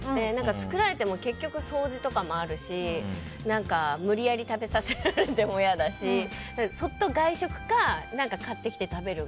作られても結局、掃除とかもあるし無理やり食べさせられても嫌だしそっと外食か何か買ってきて食べるが。